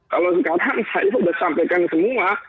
kalau sekarang saya sudah sampaikan semua